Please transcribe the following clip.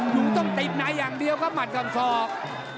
อยู่ต้องติดไหนอย่างเดียวก็หมัดกลางทรอบ